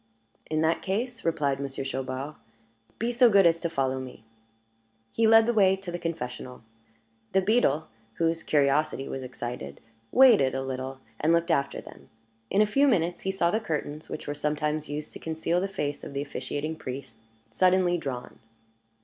"In that case," replied Monsieur Chaubard, "be so good as to follow me." He led the way to the confessional. The beadle, whose curiosity was excited, waited a little, and looked after them. In a few minutes he saw the curtains, which were sometimes used to conceal the face of the officiating priest, suddenly drawn.